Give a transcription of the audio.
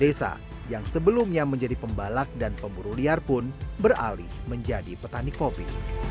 desa yang sebelumnya menjadi pembalak dan pemburu liar pun beralih menjadi petani kopi